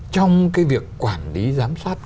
trong cái việc quản lý giám sát